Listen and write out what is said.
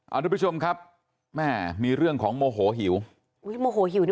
เอาทุกผู้ชมครับแม่มีเรื่องของโมโหหิวอุ้ยโมโหหิวนี่